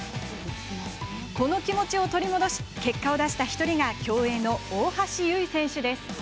この気持ちを取り戻し結果を出した１人が競泳の大橋悠依選手です。